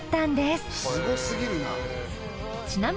すごすぎるな。